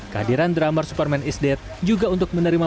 kehadiran drummer superman isdet juga untuk menerima